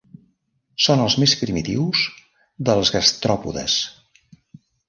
Són els més primitius dels gastròpodes.